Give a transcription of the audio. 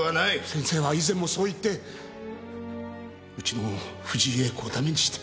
先生は以前もそう言ってうちの藤井詠子をダメにして。